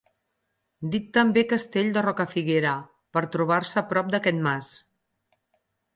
Dit també castell de Rocafiguera, per trobar-se prop d'aquest mas.